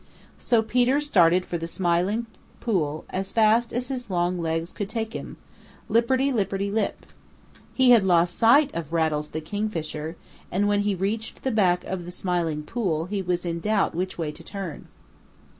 So Peter started for the Smiling Pool as fast as his long legs could take him, lipperty lipperty lip. He had lost sight of Rattles the Kingfisher, and when he reached the back of the Smiling Pool he was in doubt which way to turn.